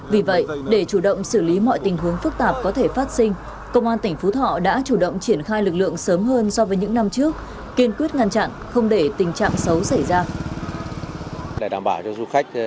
vì vậy để chủ động xử lý mọi tình huống phức tạp có thể phát sinh công an tỉnh phú thọ đã chủ động triển khai lực lượng sớm hơn so với những năm trước kiên quyết ngăn chặn không để tình trạng xấu xảy ra